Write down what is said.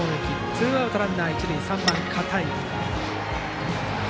ツーアウトランナー、一塁で３番、片井。